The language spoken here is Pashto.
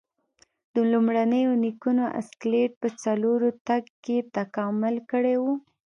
د لومړنیو نیکونو اسکلیټ په څلورو تګ کې تکامل کړی و.